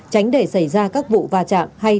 tránh để xảy ra các vụ va chạm hay